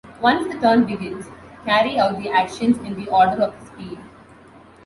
Once the turn begins, carry out their actions in the order of their speed.